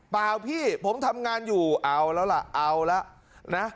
เปล่าพี่ผมทำงานอยู่เอาแล้วล่ะเอาละนะ